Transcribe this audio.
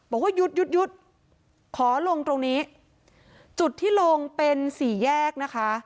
บอกว่าหยุดยุดหยุดขอลงตรงนี้จุดที่ลงเป็นสี่แยกนะคะ